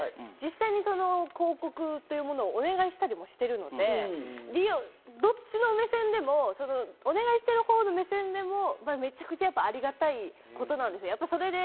私自身も個人で、ものづくりをしているので、実際にその広告をお願いしたりもしているので、どっちの目線でもお願いしているほうの目線でも、めちゃくちゃありがたいことなんですよ。